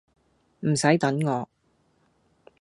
唔洗等我